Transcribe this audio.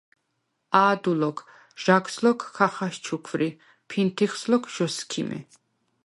“ა̄დუ ლოქ, ჟაგს ლოქ ქა ხაშჩუქვრი, ფინთიხს ლოქ ჟ’ოსქიმე”.